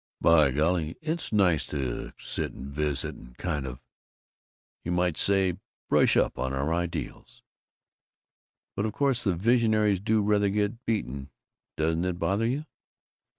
By golly, this is nice to have a chance to sit and visit and kind of, you might say, brush up on our ideals." "But of course we visionaries do rather get beaten. Doesn't it bother you?"